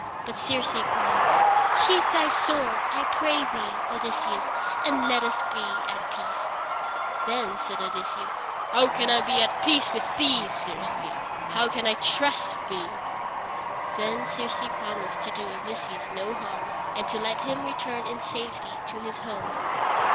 But Circe cried: "Sheathe thy sword, I pray thee, Odysseus, and let us be at peace." Then said Odysseus: "How can I be at peace with thee, Circe? How can I trust thee?" Then Circe promised to do Odysseus no harm, and to let him return in safety to his home.